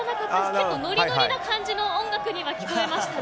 結構ノリノリな感じの音楽には聴こえましたね。